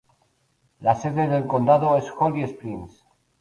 Las sede del condado es Holly Springs.